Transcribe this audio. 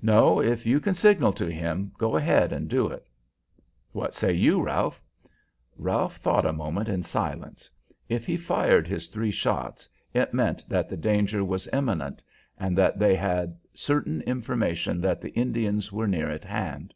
No, if you can signal to him go ahead and do it." "What say you, Ralph?" Ralph thought a moment in silence. If he fired his three shots, it meant that the danger was imminent, and that they had certain information that the Indians were near at hand.